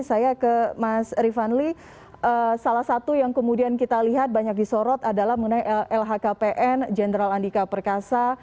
saya ke mas rifanli salah satu yang kemudian kita lihat banyak disorot adalah mengenai lhkpn jenderal andika perkasa